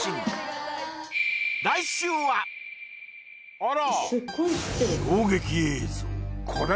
あら！